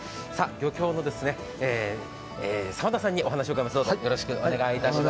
漁協の澤田さんにお話を伺います。